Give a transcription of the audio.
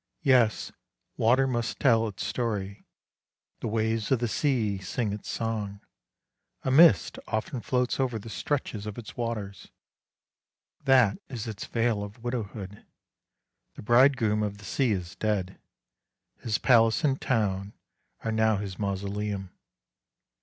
Yes, water must tell its story, the waves of the sea sing its song! A mist often floats over the stretches of its waters; that is its veil of widowhood. The bridegroom of the sea is dead; his palace and town are now his mausoleum.